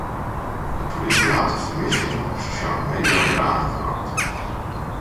De polysje hat de fermissing op sosjale media ûnder de oandacht brocht.